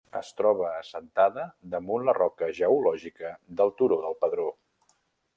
Es troba assentada damunt la roca geològica del turó del Pedró.